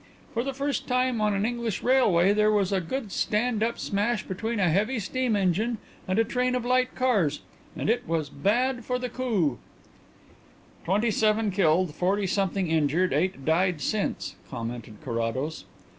For the first time on an English railway there was a good stand up smash between a heavy steam engine and a train of light cars, and it was 'bad for the coo.'" "Twenty seven killed, forty something injured, eight died since," commented Carrados.